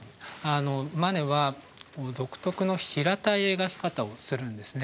マネは独特の平たい描き方をするんですね。